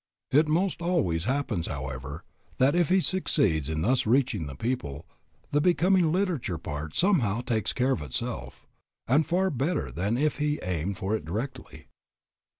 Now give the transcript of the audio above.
It most always happens, however, that if he succeeds in thus reaching the people, the becoming literature part somehow takes care of itself, and far better than if he aimed for it directly.